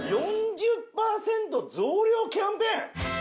４０％増量キャンペーン？